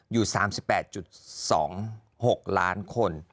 อยู่๓๘๒๖ล้านคน